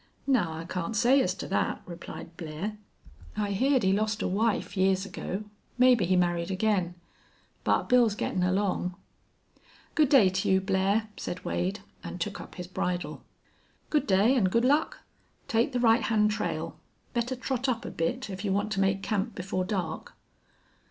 "Now, I can't say as to thet," replied Blair. "I heerd he lost a wife years ago. Mebbe he married ag'in. But Bill's gittin' along." "Good day to you, Blair," said Wade, and took up his bridle. "Good day an' good luck. Take the right hand trail. Better trot up a bit, if you want to make camp before dark."